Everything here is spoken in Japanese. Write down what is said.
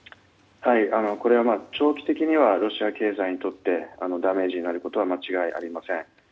長期的にはロシア経済にとってダメージになることは間違いありません。